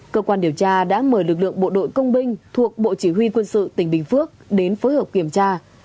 cơ quan điều tra đã mời lực lượng bộ đội công binh thuộc bộ chỉ huy quân sự tỉnh bình phước đến phối hợp kiểm tra